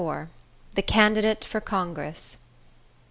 XXIV. The Candidate For Congress.